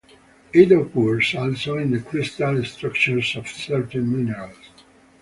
It occurs also in the crystal structures of certain minerals.